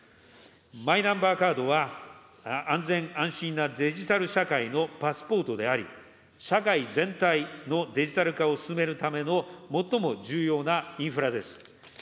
マイナンバーカードは安全・安心なデジタル社会のパスポートであり、社会全体のデジタル化を進めるための最も重要なインフラです。